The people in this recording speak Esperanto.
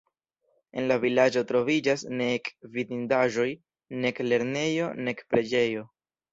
En la vilaĝo troviĝas nek vidindaĵoj, nek lernejo, nek preĝejo.